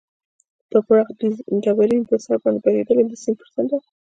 پر پراخ ډبرین بستر باندې بهېدلې، د سیند پر څنډه.